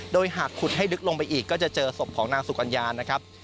โดยหากขุดให้ลึกลงไปอีกก็จะเจอศพของนางสุกัญญานะครับ